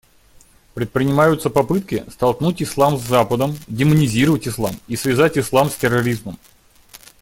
Предпринимаются попытки столкнуть ислам с Западом, демонизировать ислам и связать ислам с терроризмом.